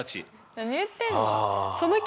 何言ってんの？